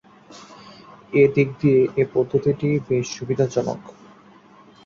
এ দিক দিয়ে এ পদ্ধতিটি বেশ সুবিধাজনক।